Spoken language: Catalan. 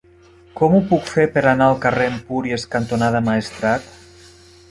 Com ho puc fer per anar al carrer Empúries cantonada Maestrat?